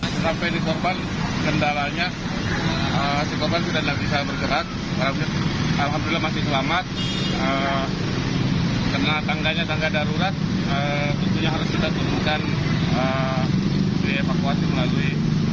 sebenarnya harus kita turunkan dievakuasi melalui